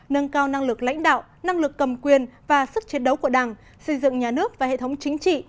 nâng cao năng lực lãnh đạo năng lực cầm quyền và sức chiến đấu của đảng xây dựng nhà nước và hệ thống chính trị